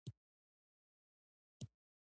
نو زۀ پورې وخاندم ـ